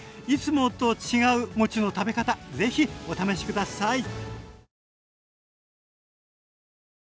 いつもと違うもちの食べ方ぜひお試し下さい！